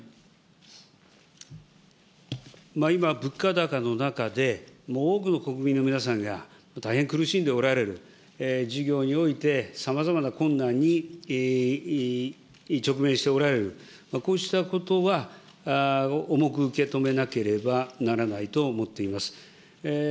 今、物価高の中で、多くの国民の皆さんが大変苦しんでおられる、事業においてさまざまな困難に直面しておられる、こうしたことは重く受け止めなければならないと思っております。